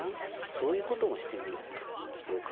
そういうこともしてみようということです。